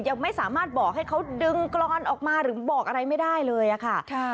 ยังไม่สามารถบอกให้เขาดึงกรอนออกมาหรือบอกอะไรไม่ได้เลยค่ะ